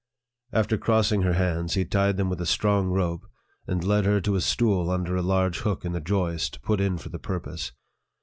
After crossing her hands, he tied them with a strong rope, and led her to a stool under a large hook in the joist, put in for the purpose.